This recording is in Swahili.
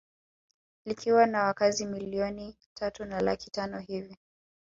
Likiwa na wakazi milioni tatu na laki tano hivi